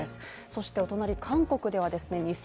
そしてお隣、韓国ではですね